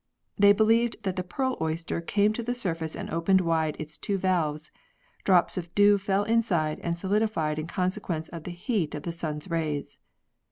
They believed that the pearl oyster came to the surface and opened wide its two valves. Drops of dew fell inside and solidified in consequence of the heat of the sun's rays.